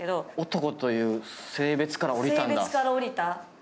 男という性別から降りたんだ。